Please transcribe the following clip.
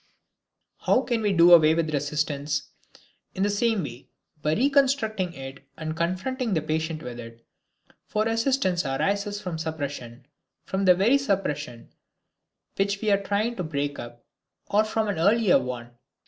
How can we do away with resistance? In the same way by reconstructing it and confronting the patient with it. For resistance arises from suppression, from the very suppression which we are trying to break up, or from an earlier one.